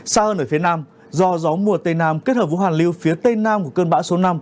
xa hơn ở phía nam do gió mùa tây nam kết hợp với hoàn lưu phía tây nam của cơn bão số năm